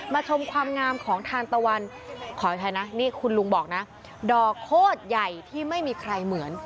ชมความงามของทานตะวันขออภัยนะนี่คุณลุงบอกนะดอกโคตรใหญ่ที่ไม่มีใครเหมือน